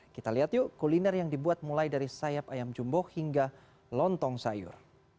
kita lihat yuk kuliner yang dibuat mulai dari sayap ayam jumbo hingga lontong sayur